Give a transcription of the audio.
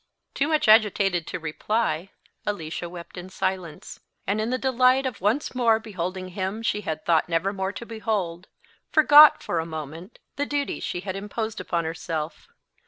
Too much agitated to reply, Alicia wept in silence; and in the delight of once more beholding him she had thought never more to behold, forgot, for a moment, the duty she had imposed upon herself.